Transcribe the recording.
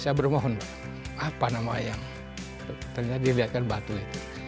saya bermohon apa nama yang terjadi di liatkan batu itu